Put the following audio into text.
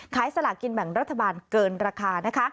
๔ขายสละกินแบ่งรัฐบาลเกินราคา